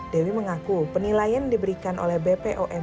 dewi mengaku penilaian diberikan oleh bpom